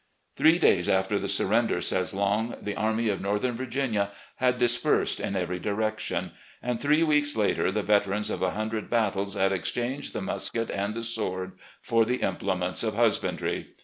"Three days after the surrender," says Long, "the Army of Northern Virginia had dispersed in every direc tion, and three weeks later the veterans of a hundred battles had exchanged the musket and the sword for the implements of husbandry.